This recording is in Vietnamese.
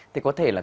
thì có thể là